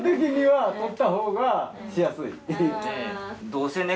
どうせね